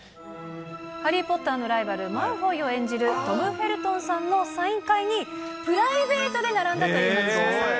ハリー・ポッターのライバル、マルフォイを演じるトム・フェルトンさんのサイン会に、プライベートで並んだという松島さん。